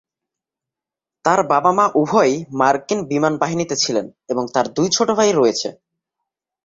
তার বাবা-মা উভয়ই মার্কিন বিমান বাহিনীতে ছিলেন এবং তার দুই ছোট ভাই রয়েছে।